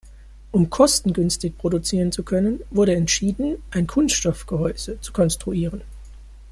Um kostengünstig produzieren zu können, wurde entschieden, ein Kunststoffgehäuse zu konstruieren.